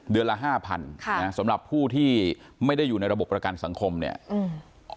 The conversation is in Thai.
ละห้าพันค่ะนะสำหรับผู้ที่ไม่ได้อยู่ในระบบประกันสังคมเนี่ยอืม